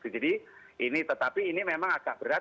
jadi ini tetapi ini memang agak berat